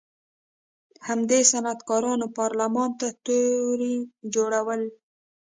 همدې صنعتکارانو پارلمان ته تورې جوړولې.